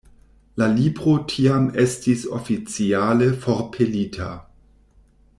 La libro tiam estis oficiale forpelita.